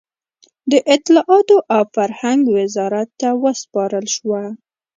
د اطلاعاتو او فرهنګ وزارت ته وسپارل شوه.